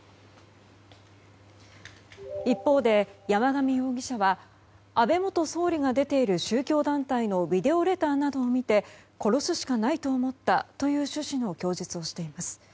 一方で山上容疑者は安倍元総理が出ている宗教団体のビデオレターなどを見て殺すしかないと思ったという趣旨の供述をしています。